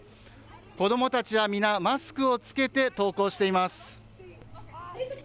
子どもたちは皆、マスクを着けて登校しています。